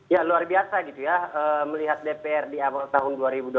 ya luar biasa gitu ya melihat dpr di awal tahun dua ribu dua puluh